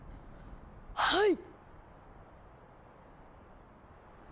はい！